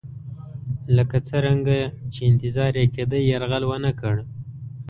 لکه څرنګه چې انتظار یې کېدی یرغل ونه کړ.